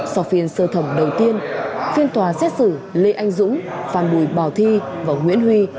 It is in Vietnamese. sau phiên sơ thẩm đầu tiên phiên tòa xét xử lê anh dũng phan bùi bảo thi và nguyễn huy